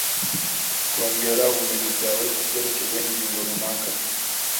Kongera ubumenyi bwawe kubyerekeye ingingo runaka